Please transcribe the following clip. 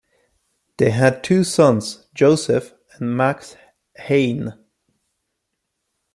They had two sons Joseph and Max Heine.